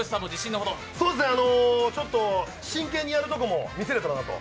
ちょっと真剣にやるところも見せればなと。